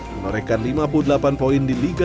menorehkan lima puluh delapan poin di liga satu